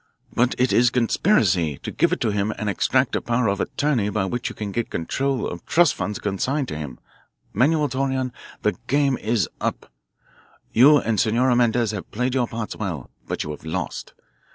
"But it is conspiracy to give it to him and extract a power of attorney by which you can get control of trust funds consigned to him. Manuel Torreon, the game is up. You and Senora Mendez have played your parts well. But you have lost.